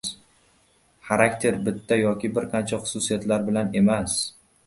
Xarakter bitta yoki bir qancha xususiyatlar bilan emas